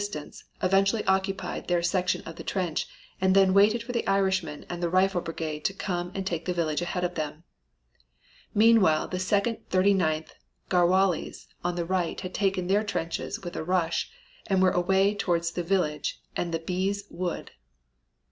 The Lincolns, against desperate resistance, eventually occupied their section of the trench and then waited for the Irishmen and the Rifle Brigade to come and take the village ahead of them. Meanwhile the second Thirty ninth Garhwalis on the right had taken their trenches with a rush and were away towards the village and the Biez Wood.